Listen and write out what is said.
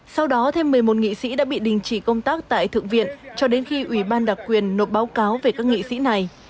sau đó thêm một mươi một nghị sĩ đã bị đình chỉ công tác tại thượng viện cho đến khi ủy ban đặc quyền nộp báo cáo về các nghị sĩ này